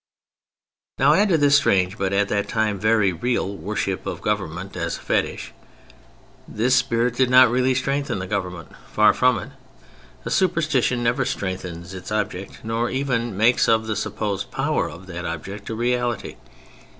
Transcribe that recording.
Now add to this the strange, but at that time very real, worship of government as a fetish. This spirit did not really strengthen government: far from it. A superstition never strengthens its object, nor even makes of the supposed power of that object a reality.